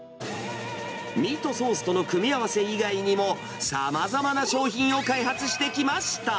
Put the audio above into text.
ミートソースとの組み合わせ以外にも、さまざまな商品を開発してきました。